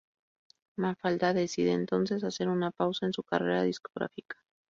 Mafalda decide entonces hacer una pausa en su carrera discográfica.